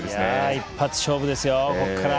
一発勝負ですよ。